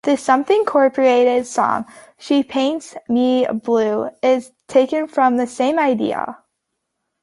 The Something Corporate song "She Paints Me Blue" is taken from the same idea.